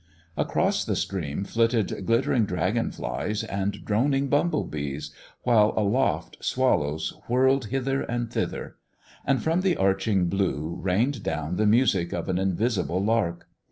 Across the stream flitted glittering dragon flies and droning bumble bees, while aloft swallows whirled hither and thither ; and from the arching blue rained down the music of an invisible lark.